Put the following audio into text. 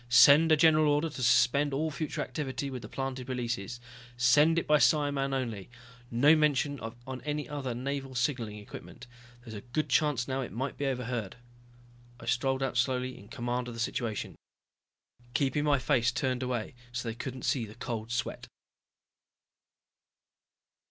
"Send a general order to suspend all future activity with the planted releases. Send it by psimen only, no mention on any other Naval signaling equipment, there's a good chance now it might be 'overheard.'" I strolled out slowly, in command of the situation. Keeping my face turned away so they couldn't see the cold sweat.